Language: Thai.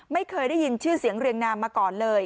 ไม่เคยได้ยินชื่อเสียงเรียงนามมาก่อนเลย